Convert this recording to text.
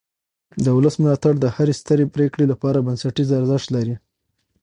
د ولس ملاتړ د هرې سترې پرېکړې لپاره بنسټیز ارزښت لري